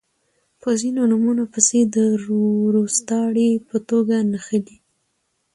په ځینو نومونو پسې د وروستاړي په توګه نښلی